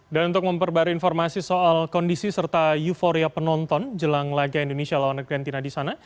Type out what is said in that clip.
dan untuk memperbarui informasi soal kondisi serta euforia penonton jelang laga indonesia lawan argentina di sana